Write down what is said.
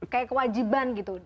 kayak kewajiban gitu